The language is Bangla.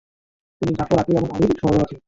তিনি জাফর, আকিল ও আলীর সহোদরা ছিলেন।